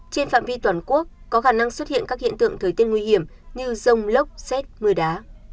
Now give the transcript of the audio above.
trên phạm vi toàn quốc có khả năng xuất hiện các hiện tượng thời tiết nguy hiểm như rông lốc xét mưa đá